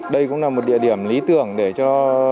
đây cũng là một địa điểm lý tưởng để cho